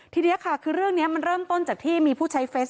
ทีนี้ค่ะคือเรื่องนี้มันเริ่มต้นจากที่มีผู้ใช้เฟซ